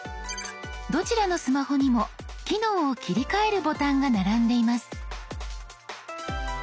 どちらのスマホにも機能を切り替えるボタンが並んでいます。